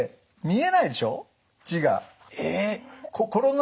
え。